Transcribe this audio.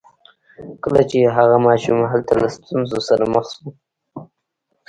کله چې هغه ماشوم هلته له ستونزو سره مخ شو